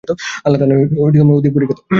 আল্লাহ্ তাআলাই অধিক পরিজ্ঞাত।